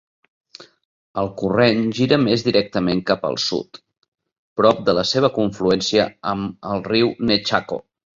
El corrent gira més directament cap al sud, prop de la seva confluència amb ell riu Nechako.